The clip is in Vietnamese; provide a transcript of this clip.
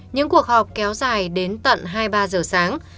những cuộc họp kéo dài đến tận